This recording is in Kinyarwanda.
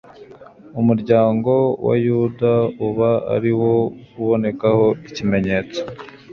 umuryango wa yuda uba ari wo ubonekaho ikimenyetso